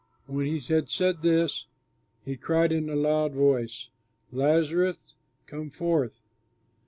When he had said this, he cried in a loud voice, "Lazarus, come forth."